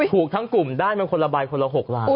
ถูกทั้งกลุ่มได้มาคนละใบคนละ๖ล้าน